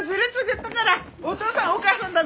お父さんお母さんだぢも。